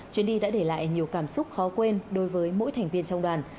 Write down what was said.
chuyến đi đã để lại nhiều cảm xúc khó quên đối với mỗi thành viên trong đoàn